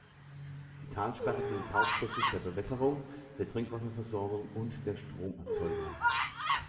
Die Talsperre dient hauptsächlich der Bewässerung, der Trinkwasserversorgung und der Stromerzeugung.